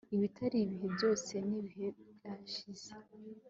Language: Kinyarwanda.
Ibitari ibihe byose nibihe byashize